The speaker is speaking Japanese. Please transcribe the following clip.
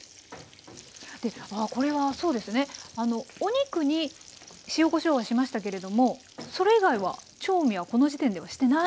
これはそうですねお肉に塩・こしょうはしましたけれどもそれ以外は調味はこの時点ではしてないんですね。